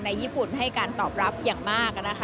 ญี่ปุ่นให้การตอบรับอย่างมาก